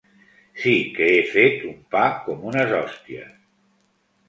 -Sí que he fet un pa com unes hòsties!